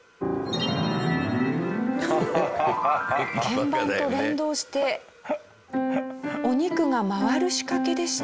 鍵盤と連動してお肉が回る仕掛けでした。